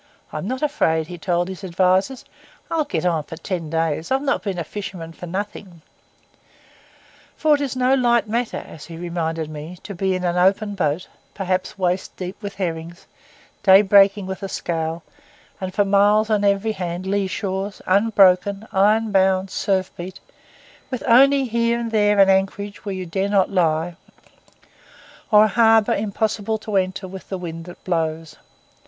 'I'm not afraid,' he had told his adviser; 'I'll get on for ten days. I've not been a fisherman for nothing.' For it is no light matter, as he reminded me, to be in an open boat, perhaps waist deep with herrings, day breaking with a scowl, and for miles on every hand lee shores, unbroken, iron bound, surf beat, with only here and there an anchorage where you dare not lie, or a harbour impossible to enter with the wind that blows.